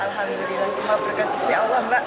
alhamdulillah semua berkat isti allah mbak